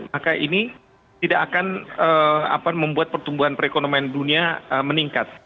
maka ini tidak akan membuat pertumbuhan perekonomian dunia meningkat